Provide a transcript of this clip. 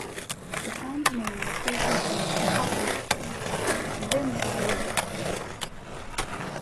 The town's name was briefly changed to Poplar Springs, and then to Oliver Springs.